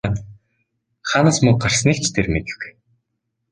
Хаанаас мөнгө гарсныг ч тэр мэдэхгүй!